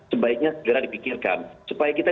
sebaiknya segera dipikirkan supaya kita